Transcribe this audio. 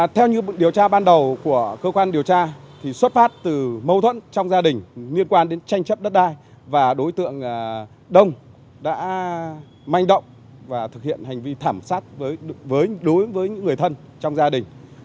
theo như điều tra ban đầu của cơ quan điều tra xuất phát từ mâu thuẫn trong gia đình liên quan đến tranh chấp đất đai và đối tượng đông đã manh động và thực hiện hành vi thảm sát đối với những người thân trong gia đình